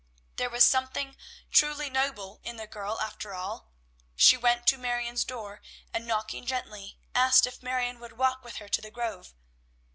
There was something truly noble in the girl, after all. She went to Marion's door and, knocking gently, asked if Marion would walk with her to the grove.